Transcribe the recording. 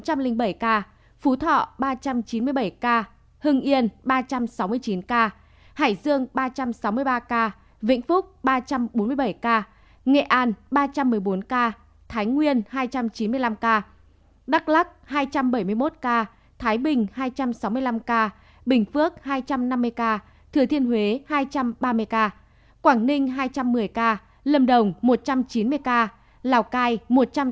hương yên ba trăm sáu mươi chín ca hải dương ba trăm sáu mươi ba ca vĩnh phúc ba trăm bốn mươi bảy ca nghệ an ba trăm một mươi bốn ca thái nguyên hai trăm chín mươi năm ca đắk lắc hai trăm bảy mươi một ca thái bình hai trăm sáu mươi năm ca bình phước hai trăm năm mươi ca thừa thiên huế hai trăm ba mươi ca quảng ninh hai trăm một mươi ca lâm đồng một trăm chín mươi ca lào cai một trăm tám mươi tám ca